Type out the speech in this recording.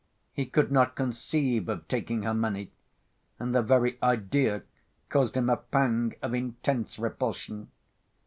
He could not conceive of taking her money, and the very idea caused him a pang of intense repulsion.